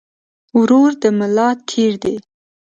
ورور د ملا تير دي